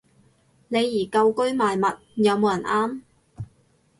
李怡舊居賣物，有冇人啱